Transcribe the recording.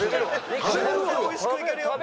全然おいしくいけるよ。